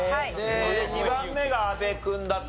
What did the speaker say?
で２番目が阿部君だったかな。